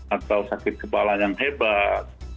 atau sakit kepala yang hebat